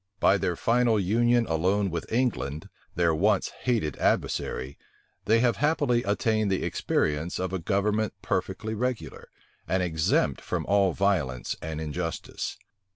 By their final union alone with England, their once hated adversary, they have happily attained the experience of a government perfectly regular, and exempt from all violence and injustice.